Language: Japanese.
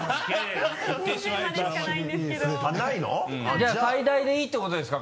じゃあ最大でいいって事ですか？